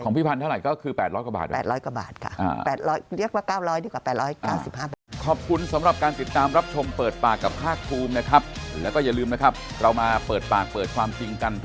ของพี่พันธุ์เท่าไหร่ก็คือ๘๐๐กว่าบาท